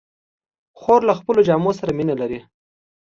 خور له خپلو جامو سره مینه لري.